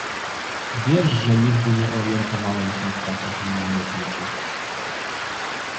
Wiesz, że nigdy nie orientowałem się w trasach linii lotniczych.